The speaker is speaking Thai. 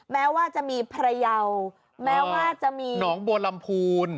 แม้ว่าจะมีพระเยาแม้ว่าจะมีหนองบัวลำพูน